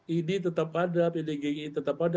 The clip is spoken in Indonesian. id tetap ada pdgi tetap ada